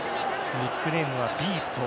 ニックネームはビースト。